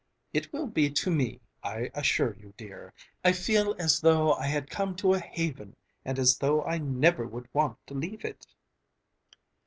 It will be to me, I assure you, dear. I feel as though I had come to a haven, and as though I never would want to leave it!"